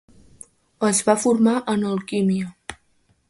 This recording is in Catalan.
Es va formar en alquímia.